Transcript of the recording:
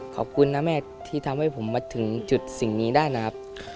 ขอบคุณนะแม่ที่ทำให้ผมมาถึงจุดสิ่งนี้ได้นะครับ